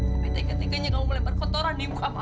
tapi tiba tiba kamu mulembar kotoran di muka mama